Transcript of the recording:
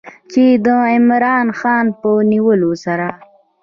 چې د عمران خان په نیولو سره